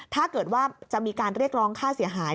ถ้าเกิดว่าจะมีการเรียกร้องค่าเสียหาย